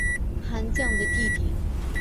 韩绛的弟弟。